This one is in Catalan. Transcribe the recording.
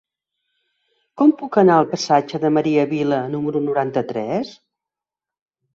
Com puc anar al passatge de Maria Vila número noranta-tres?